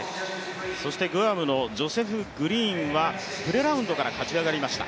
グアムのジョセフ・グリーンはプレラウンドから立ち上がりました。